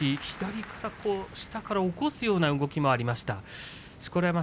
左の下から起こすような動きもありました。